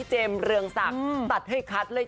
พี่เจมส์เรืองศักดิ์ตัดให้ขัดเลย